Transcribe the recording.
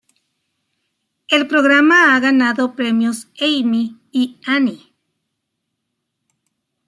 El programa ha ganado premios Emmy y Annie.